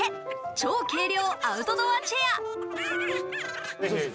超軽量アウトドアチェア。